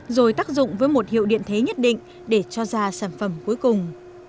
rồi tác dụng với một hiệu điện thế nhất định để cho ra sản phẩm cuối cùng